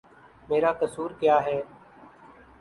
میرا قصور کیا ہے؟